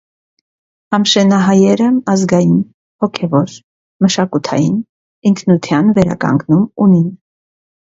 Համշենահայերը ազգային, հոգեւոր, մշակութային, ինքնութեան վերականգնում ունին։